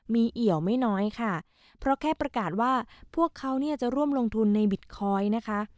มีเหี่ยวไม่น้อยค่ะเพราะแค่ประกาศว่าพวกเขาเนี่ยจะร่วมลงทุนในบิตคอยน์นะคะ